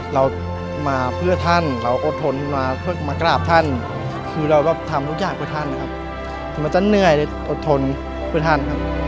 เรามาเพื่อท่านเราอดทนมากลับท่านคือเราทำทุกอย่างเพื่อท่านถึงว่าจะเงยแล้วไม่ค่อยอดทนเพื่อท่าน